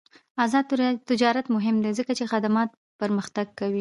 آزاد تجارت مهم دی ځکه چې خدمات پرمختګ کوي.